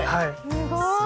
すごい！